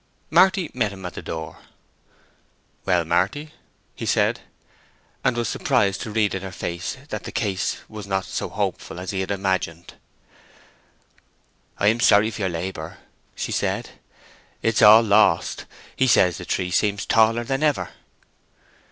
Marty met him at the door. "Well, Marty," he said; and was surprised to read in her face that the case was not so hopeful as he had imagined. "I am sorry for your labor," she said. "It is all lost. He says the tree seems taller than ever."